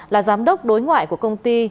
là giám đốc đối ngoại của công ty